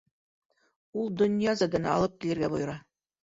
Ул Донъязаданы алып килергә бойора.